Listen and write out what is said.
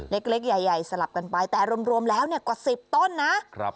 เล็กใหญ่สลับกันไปแต่รวมแล้วกว่า๑๐ต้นนะ